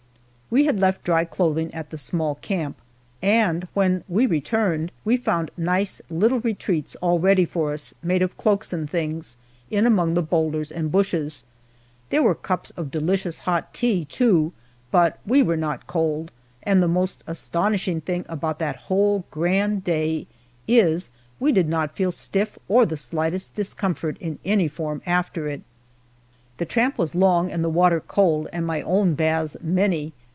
We had left dry clothing at the small camp, and when we returned we found nice little retreats all ready for us, made of cloaks and things, in among the boulders and bushes. There were cups of delicious hot tea, too; but we were not cold, and the most astonishing thing about that whole grand day is, we did not feel stiff or the slightest discomfort in any form after it. The tramp was long and the water cold, and my own baths many.